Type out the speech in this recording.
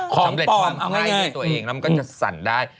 สำเร็จความไข้ในตัวเองแล้วมันก็จะสั่นได้